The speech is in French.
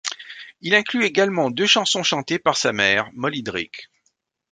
Il inclut également deux chansons chantées par sa mère, Molly Drake.